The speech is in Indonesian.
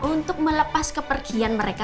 untuk melepas kepergian mereka